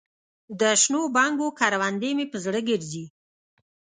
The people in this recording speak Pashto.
دشنو بنګو کروندې مې په زړه ګرځي